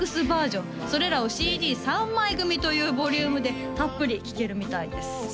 バージョンそれらをＣＤ３枚組というボリュームでたっぷり聴けるみたいです